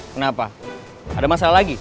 kenapa ada masalah lagi